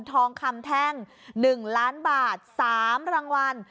ทองคำแท่ง๑ล้านบาท๓รางวัล